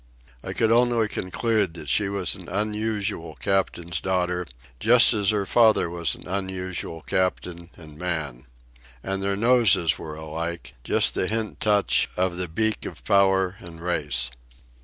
I could only conclude that she was an unusual captain's daughter, just as her father was an unusual captain and man. And their noses were alike, just the hint touch of the beak of power and race.